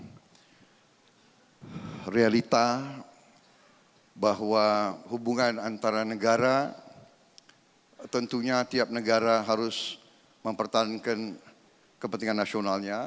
dengan realita bahwa hubungan antara negara tentunya tiap negara harus mempertahankan kepentingan nasionalnya